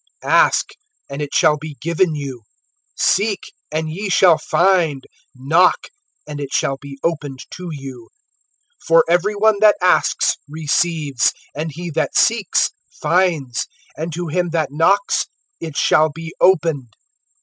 (7)Ask, and it shall be given you; seek, and ye shall find; knock, and it shall be opened to you. (8)For every one that asks receives; and he that seeks finds; and to him that knocks it shall be opened.